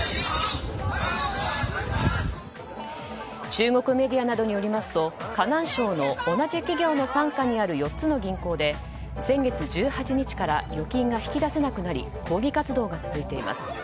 中国メディアなどによりますと河南省の同じ企業の傘下にある４つの銀行で先月１８日から預金が引き出せなくなり抗議活動が続いています。